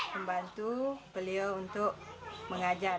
pembantu beliau untuk mengajar